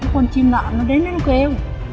con chim lạ nó đến nó kêu